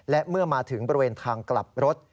และเมื่อมาถึงบริเวณทางกลับรถ